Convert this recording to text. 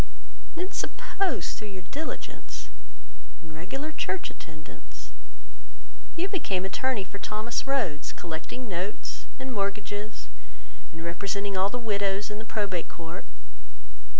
And then suppose through your diligence, And regular church attendance, You became attorney for Thomas Rhodes, Collecting notes and mortgages, And representing all the widows In the Probate Court?